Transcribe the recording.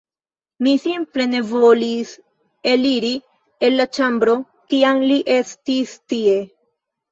Mi simple ne volis eliri el la ĉambro, kiam li estis tie.